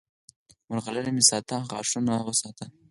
مرغلرې مه ساته، غاښونه وساته!